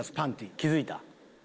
気付いた？